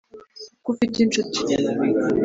ko ufite inshuti